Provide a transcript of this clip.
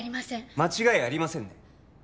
間違いありませんね